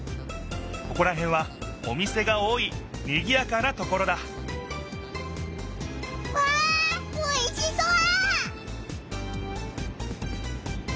ここらへんはお店が多いにぎやかなところだわあおいしそう！